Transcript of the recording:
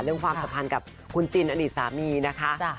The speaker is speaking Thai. ความสัมพันธ์กับคุณจินอดีตสามีนะคะ